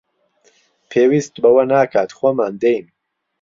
پێویست بەوە ناکات، خۆمان دێین